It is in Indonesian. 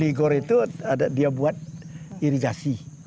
ligor itu dia buat irigasi